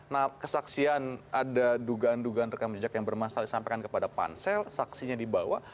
nah kesaksian ada dugaan dugaan rekam jejak yang bermasalah disampaikan kepada pansel saksinya dibawa